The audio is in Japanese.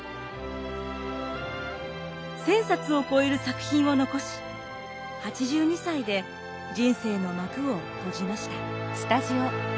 １，０００冊を超える作品を残し８２歳で人生の幕を閉じました。